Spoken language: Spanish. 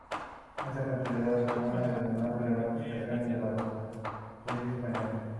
Está considerada como una de las más relevantes creaciones de la platería española.